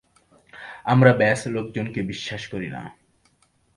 আমরা ব্যস লোকজনকে বিশ্বাস করি না।